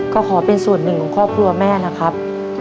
ก็ขอเป็นส่วนหนึ่งของครอบครัวแม่นะครับ